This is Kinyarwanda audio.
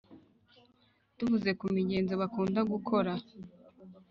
tuvuze ku migenzo bakunda gukora